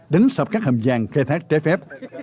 đánh sập các hầm vàng khai thác trái phép